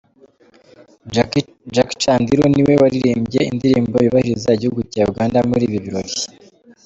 Jackie Chandiru niwe waririmbye indirimbo yubahiriza igihugu cya Uganda muri ibi birori.